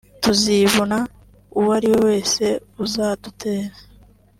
‘‘ Tuzivuna uwari wese uzadutera